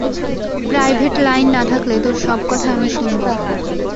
Private line না থাকলে, তোর সব কথা আমি শুনবো।